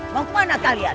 mau kemana kalian